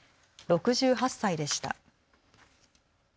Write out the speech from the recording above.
６８歳でした。